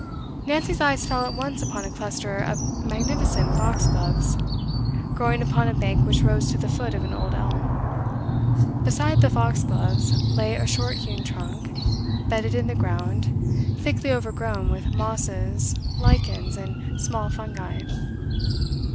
Nancy's eyes fell at once upon a cluster of magnificent foxgloves, growing upon a bank which rose to the foot of an old elm; beside the foxgloves lay a short hewn trunk, bedded in the ground, thickly overgrown with mosses, lichens, and small fungi.